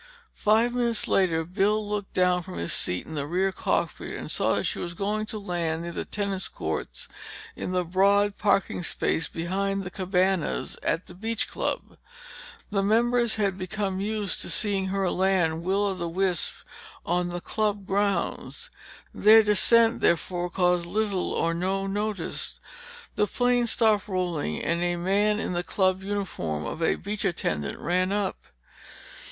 Five minutes later, Bill looked down from his seat in the rear cockpit and saw that she was going to land near the tennis courts in the broad parking space behind the cabanas at the beach club. The members had become used to seeing her land Will o' the Wisp on the club grounds. Their descent therefore caused little or no notice. The plane stopped rolling and a man in the club uniform of a beach attendant ran up.